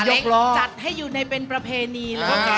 จัดให้อยู่ในเป็นประเพณีครับ